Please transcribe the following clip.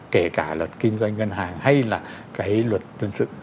kể cả luật kinh doanh ngân hàng hay là cái luật dân sự